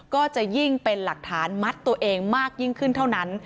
ก็จะยิ่งเป็นหลักฐานมัดตัวเองมากยิ่งขึ้นเท่านั้น